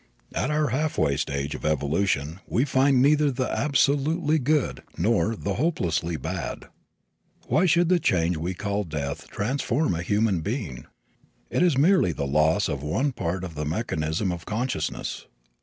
At our halfway stage of evolution we find neither the absolutely good nor the hopelessly bad. Why should the change we call death transform a human being? It is merely the loss of one part of the mechanism of consciousness.